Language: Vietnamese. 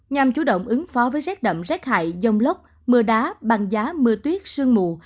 nhằm chủ động ứng phó với rác đậm rác hại dông lốc mưa đá băng giá mưa tuyết sương mù